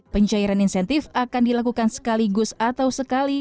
pencairan insentif akan dilakukan sekaligus atau sekali